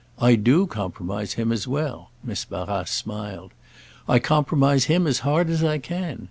I do compromise him as well," Miss Barrace smiled. "I compromise him as hard as I can.